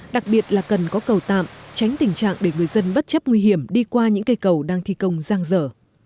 đặc biệt là cần có cầu tạm tránh tình trạng để người dân bất chấp nguy hiểm đi qua những cây cầu đang thi công giang dở